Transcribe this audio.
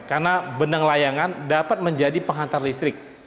karena benang layangan dapat menjadi penghantar listrik